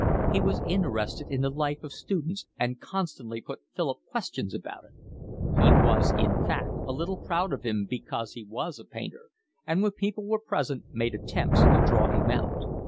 He was interested in the life of students and constantly put Philip questions about it. He was in fact a little proud of him because he was a painter, and when people were present made attempts to draw him out.